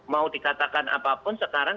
mau dikatakan apapun sekarang